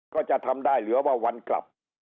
ก็จะทำได้เหลือว่าวันกลับ